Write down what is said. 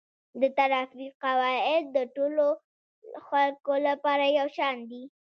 د ترافیک قواعد د ټولو خلکو لپاره یو شان دي.